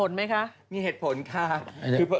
จากธนาคารกรุงเทพฯ